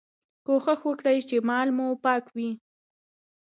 کوښښ وکړئ چي مال مو پاک وي.